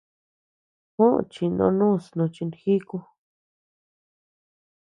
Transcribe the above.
Juó chindonus no chinjíku.